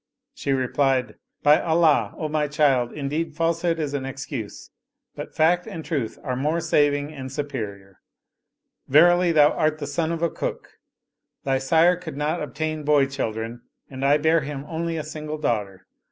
" She replied, " By Allah, O my child, indeed falsehood is an excuse, but fact and truth are more saving and superior. Verily thou art the son of a cook! Thy sire could not ob tain boy children and I bare him only a single daughter.